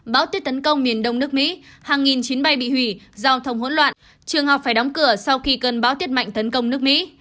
báo tiết tấn công miền đông nước mỹ hàng nghìn chuyến bay bị hủy giao thông hỗn loạn trường học phải đóng cửa sau khi cơn bão tuyết mạnh tấn công nước mỹ